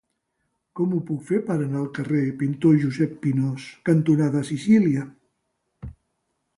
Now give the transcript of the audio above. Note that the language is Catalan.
Com ho puc fer per anar al carrer Pintor Josep Pinós cantonada Sicília?